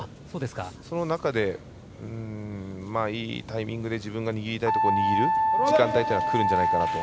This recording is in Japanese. その中で、いいタイミングで自分が握りたいところを握る時間帯というのがくるんじゃないかなと。